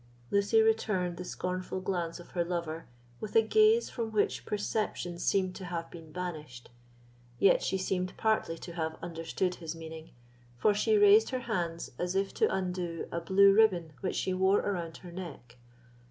Lucy returned the scornful glance of her lover with a gaze from which perception seemed to have been banished; yet she seemed partly to have understood his meaning, for she raised her hands as if to undo a blue ribbon which she wore around her neck.